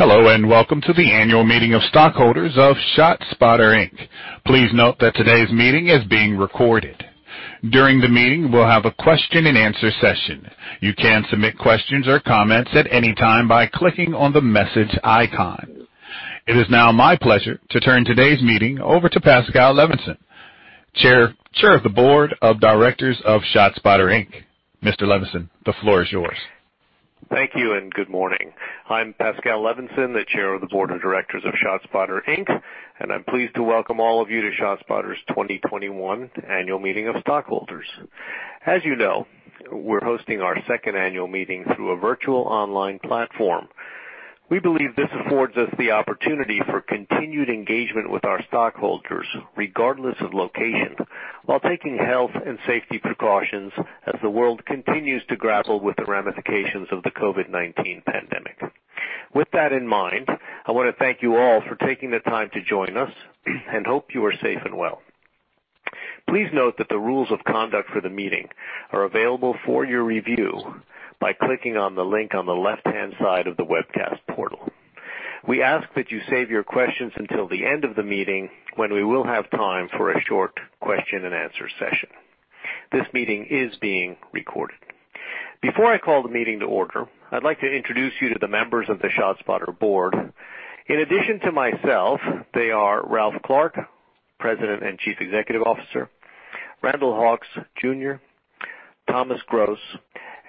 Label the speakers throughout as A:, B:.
A: Hello and welcome to the annual meeting of stockholders of ShotSpotter, Inc. Please note that today's meeting is being recorded. During the meeting, we'll have a question and answer session. You can submit questions or comments at any time by clicking on the message icon. It is now my pleasure to turn today's meeting over to Pascal Levensohn, Chair of the Board of Directors of ShotSpotter, Inc. Mr. Levensohn, the floor is yours.
B: Thank you and good morning. I'm Pascal Levensohn, the Chair of the Board of Directors of ShotSpotter, Inc. I'm pleased to welcome all of you to ShotSpotter's 2021 annual meeting of stockholders. As you know, we're hosting our second annual meeting through a virtual online platform. We believe this affords us the opportunity for continued engagement with our stockholders regardless of location, while taking health and safety precautions as the world continues to grapple with the ramifications of the COVID-19 pandemic. With that in mind, I want to thank you all for taking the time to join us and hope you are safe and well. Please note that the rules of conduct for the meeting are available for your review by clicking on the link on the left-hand side of the webcast portal. We ask that you save your questions until the end of the meeting when we will have time for a short question and answer session. This meeting is being recorded. Before I call the meeting to order, I'd like to introduce you to the members of the SoundThinking board. In addition to myself, they are Ralph Clark, President and Chief Executive Officer, Randall Hawks, Jr., Tom Groos,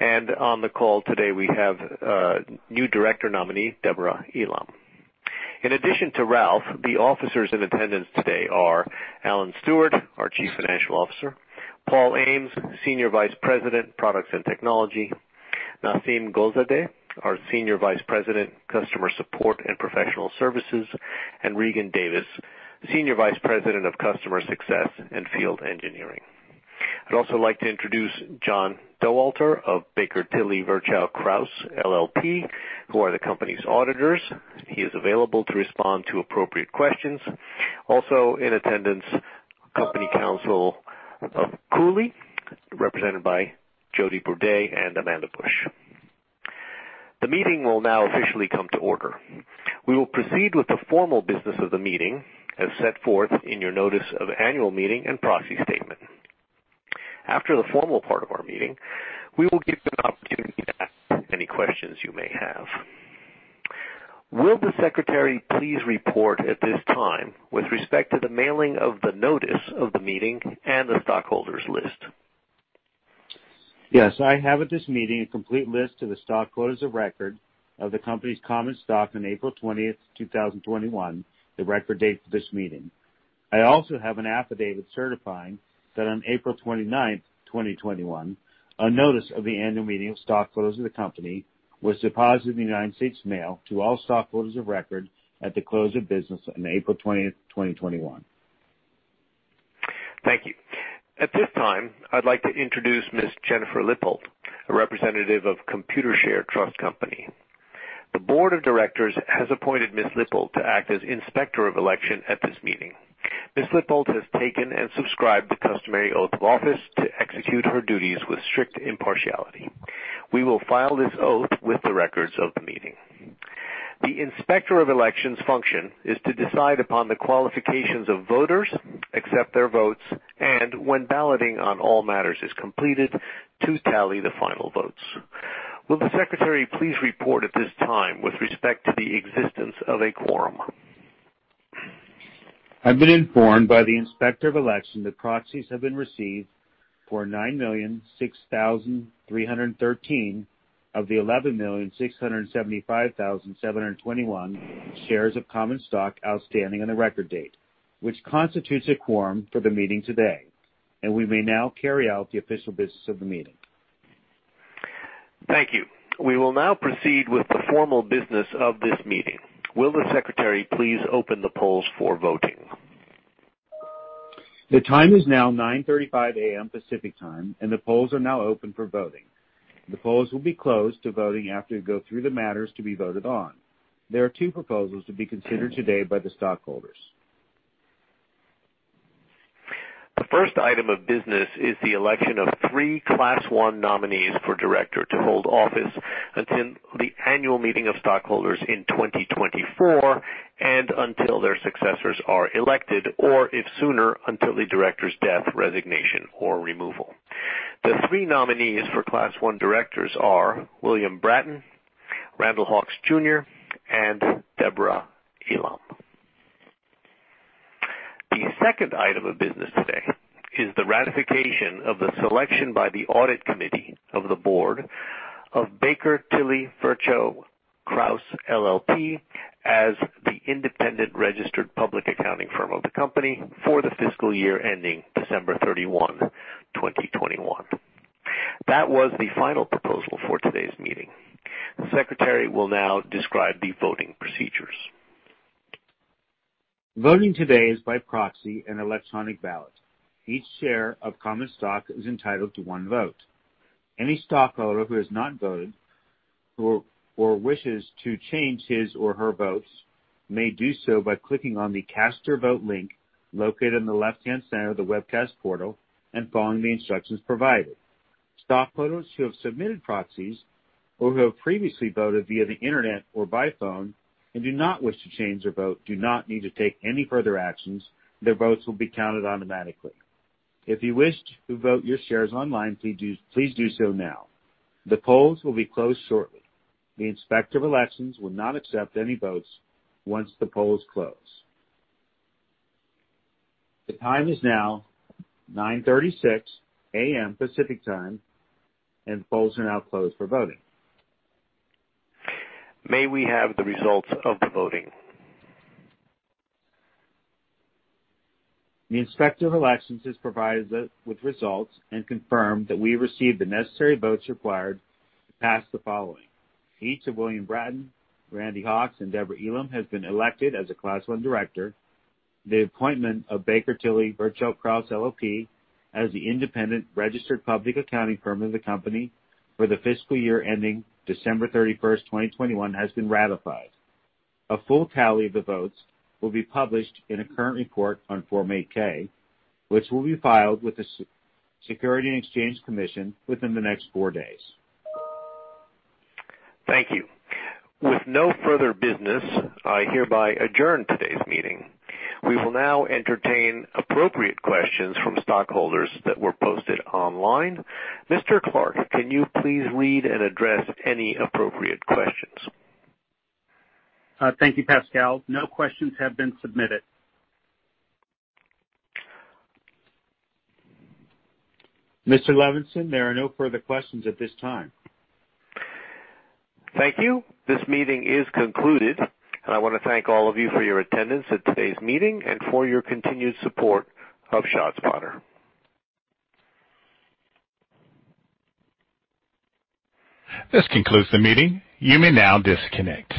B: and on the call today, we have new Director nominee, Deborah Elam. In addition to Ralph, the officers in attendance today are Alan Stewart, our Chief Financial Officer, Paul Ames, Senior Vice President, Products and Technology, Nasim Golzadeh, our Senior Vice President, Customer Support and Professional Services, and Regan Davis, Senior Vice President of Customer Success and Field Engineering. I'd also like to introduce John Dowalter of Baker Tilly Virchow Krause, LLP, who are the company's auditors. He is available to respond to appropriate questions. Also in attendance, company counsel of Cooley LLP, represented by Jodie Bourdet and Amanda Busch. The meeting will now officially come to order. We will proceed with the formal business of the meeting as set forth in your notice of annual meeting and proxy statement. After the formal part of our meeting, we will give you an opportunity to ask any questions you may have. Will the secretary please report at this time with respect to the mailing of the notice of the meeting and the stockholders list?
C: Yes, I have at this meeting a complete list of the stockholders of record of the company's common stock on April 20th, 2021, the record date for this meeting. I also have an affidavit certifying that on April 29th, 2021, a notice of the annual meeting of stockholders of the company was deposited in the United States Mail to all stockholders of record at the close of business on April 20th, 2021.
B: Thank you. At this time, I'd like to introduce Ms. Jennifer Lippold, a representative of Computershare Trust Company. The board of directors has appointed Ms. Lippold to act as Inspector of Election at this meeting. Ms. Lippold has taken and subscribed the customary oath of office to execute her duties with strict impartiality. We will file this oath with the records of the meeting. The Inspector of Election's function is to decide upon the qualifications of voters, accept their votes, and when balloting on all matters is completed, to tally the final votes. Will the secretary please report at this time with respect to the existence of a quorum?
C: I've been informed by the Inspector of Election that proxies have been received for 9,006,313 of the 11,675,721 shares of common stock outstanding on the record date, which constitutes a quorum for the meeting today, and we may now carry out the official business of the meeting.
B: Thank you. We will now proceed with the formal business of this meeting. Will the secretary please open the polls for voting?
C: The time is now 9:35 A.M. Pacific Time, and the polls are now open for voting. The polls will be closed to voting after we go through the matters to be voted on. There are two proposals to be considered today by the stockholders.
B: The first item of business is the election of three Class I nominees for director to hold office until the annual meeting of stockholders in 2024 and until their successors are elected, or if sooner, until the director's death, resignation, or removal. The three nominees for Class I directors are William Bratton, Randall Hawks, Jr., and Deborah Elam. The second item of business today is the ratification of the selection by the Audit Committee of the board of Baker Tilly Virchow Krause LLP as the independent registered public accounting firm of the company for the fiscal year ending December 31, 2021. That was the final proposal for today's meeting. The secretary will now describe the voting procedures.
C: Voting today is by proxy and electronic ballot. Each share of common stock is entitled to one vote. Any stockholder who has not voted or wishes to change his or her votes may do so by clicking on the Cast Your Vote link located in the left-hand side of the webcast portal and following the instructions provided. Stockholders who have submitted proxies or who have previously voted via the internet or by phone and do not wish to change their vote do not need to take any further actions. Their votes will be counted automatically. If you wish to vote your shares online, please do so now. The polls will be closed shortly. The Inspector of Elections will not accept any votes once the polls close. The time is now 9:36 A.M. Pacific Time, and polls are now closed for voting.
B: May we have the results of the voting?
C: The Inspector of Elections has provided us with results and confirmed that we received the necessary votes required to pass the following: each of William Bratton, Randy Hawks, and Deborah Elam has been elected as a Class I director. The appointment of Baker Tilly Virchow Krause, LLP as the independent registered public accounting firm of the company for the fiscal year ending December 31st, 2021, has been ratified. A full tally of the votes will be published in a current report on Form 8-K, which will be filed with the Securities and Exchange Commission within the next four days.
B: Thank you. With no further business, I hereby adjourn today's meeting. We will now entertain appropriate questions from stockholders that were posted online. Mr. Clark, can you please read and address any appropriate questions?
D: Thank you, Pascal. No questions have been submitted.
A: Mr. Levensohn, there are no further questions at this time.
B: Thank you. This meeting is concluded. I want to thank all of you for your attendance at today's meeting and for your continued support of ShotSpotter.
A: This concludes the meeting. You may now disconnect.